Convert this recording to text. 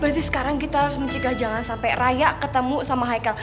berarti sekarang kita harus mencegah jangan sampai raya ketemu sama hicle